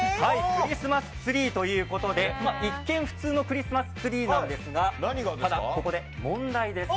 クリスマスツリーということで一見、普通のクリスマスツリーなんですがただ、ここで問題です。